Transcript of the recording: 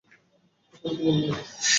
এখনই তো বললি।